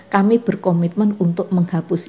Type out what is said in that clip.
kami berkomitmen untuk menghapus